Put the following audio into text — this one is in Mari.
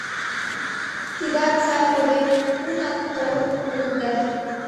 Тидат сай родем у на толын улыт да